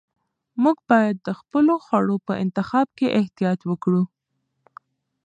موږ باید د خپلو خوړو په انتخاب کې احتیاط وکړو.